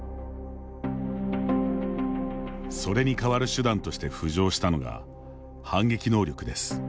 それに代わる手段として浮上したのが反撃能力です。